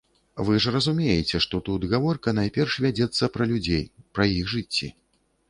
Вы ж разумееце, што тут гаворка найперш вядзецца пра людзей, пра іх жыцці.